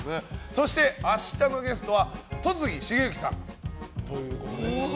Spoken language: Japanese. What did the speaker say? そして、明日のゲストは戸次重幸さんということで。